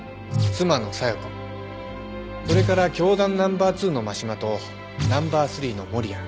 それから教団ナンバー２の真島とナンバー３の守屋。